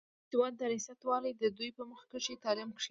د سوات د رياست والي د دوي پۀ مخکښې تعليم کښې